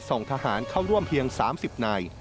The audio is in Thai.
ส่งทหารเข้าร่วมเพียง๓๐นาย